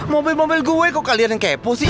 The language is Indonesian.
mobil mobil gue kok kalian yang kepo sih